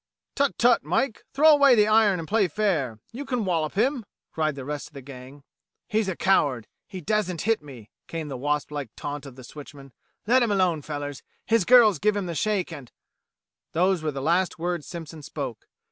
"Tut! tut! Mike. Throw away the iron and play fair. You can wallup him!" cried the rest of the gang. "He's a coward; he dassn't hit me," came the wasp like taunt of the switchman. "Let him alone, fellers; his girl's give him the shake, and " Those were the last words Simpson spoke.